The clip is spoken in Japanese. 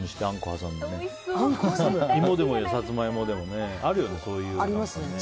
芋でもサツマイモでもあるよね、そういうの。